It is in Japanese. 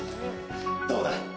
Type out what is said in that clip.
どうだ！？